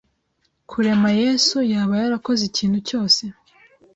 Kurema Yesu Yaba yarakoze ikintu cyose